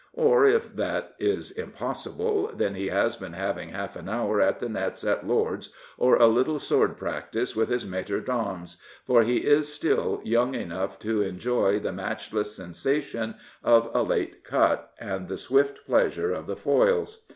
Or, if that is impossible, then he has been having half an hour at the nets at Lord's, or a little sword practice with his mattre d'armes, for he is still young enough «4S Prophets, Priests, and Kings to enjoy the matchless sensation of a " late cut and the swift pleasure of the foils.